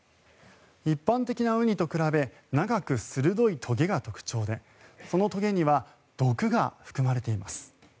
一般的なウニと比べ長く鋭いとげが特徴でそのとげには毒が含まれています。